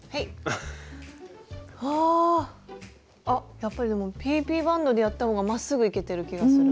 やっぱりでもＰＰバンドでやったほうがまっすぐいけてる気がする。